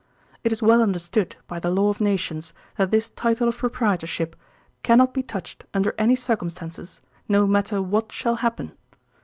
It is well understood by the law of nations that this title of proprietorship cannot be touched under any circumstances, no matter what shall happen.